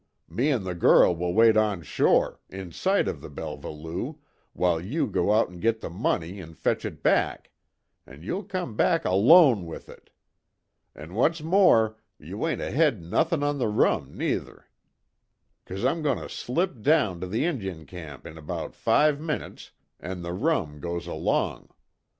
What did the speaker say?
Me an' the girl will wait on shore, in sight of the Belva Lou, while you go out an' git the money an' fetch it back an' you'll come back alone with it. An' what's more you ain't ahead nothin' on the rum, neither. 'Cause I'm goin' to slip down to the Injun camp in about five minutes, an' the rum goes along.